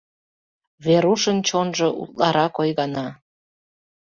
Верушын чонжо утларак ойгана.